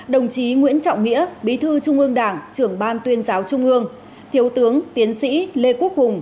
đồng chí nguyễn trọng nghĩa bí thư trung ương đảng trưởng ban tuyên giáo trung ương thiếu tướng tiến sĩ lê quốc hùng